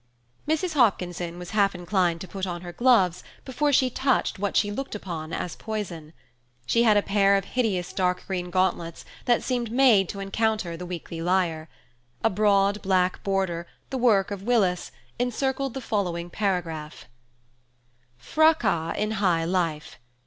Mrs. Hopkinson was half inclined to put on her gloves before she touched what she looked upon as poison. She had a pair of hideous dark green gauntlets that seemed made to encounter the Weekly Lyre. A broad black border, the work of Willis, encircled the following paragraph:– "FRACAS IN HIGH LIFE.